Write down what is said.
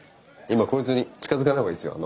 今こいつに近づかない方がいいですよ。